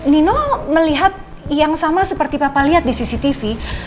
nino melihat yang sama seperti papa lihat di cctv